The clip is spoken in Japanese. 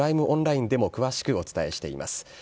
オンラインでも詳しくお伝えしています。